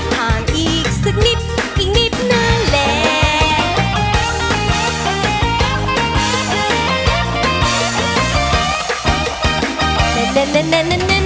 ห่างอีกส็กนิดอีกนิดเนื้อแหละ